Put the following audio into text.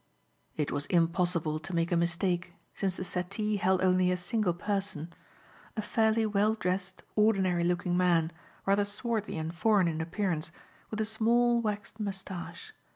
It was impossible to make a mistake since the settee held only a single person; a fairly well dressed, ordinary looking man, rather swarthy and foreign in appearance, with a small waxed moustache.